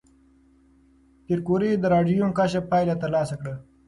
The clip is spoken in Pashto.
پېیر کوري د راډیوم کشف پایله تایید کړه.